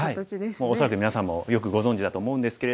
もう恐らくみなさんもよくご存じだと思うんですけれども。